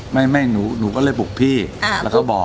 ไม่หนูก็เลยปลูกพี่แล้วก็บอก